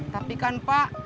tapi kan pak